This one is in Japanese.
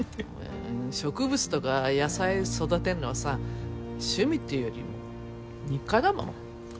植物とか野菜育てんのはさ趣味っていうよりも日課だもの。